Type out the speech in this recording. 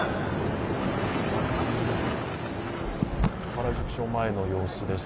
原宿署前の様子です。